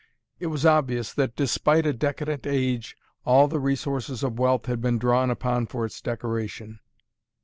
It was obvious that, despite a decadent age, all the resources of wealth had been drawn upon for its decoration.